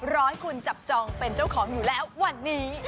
ร้อยคุณจับจองเป็นเจ้าของอยู่แล้ววันนี้